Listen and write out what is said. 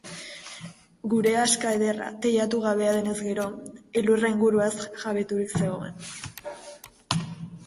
Gure aska ederra teilatu gabea denez gero, elurra inguruaz jabeturik zegoen.